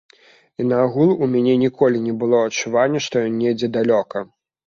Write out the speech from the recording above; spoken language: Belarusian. І наогул, у мяне ніколі не было адчування, што ён недзе далёка.